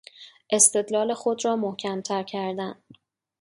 استدلال خود را محکمتر کردن